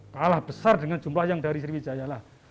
kalah besar dengan jumlah yang dari sriwijaya lah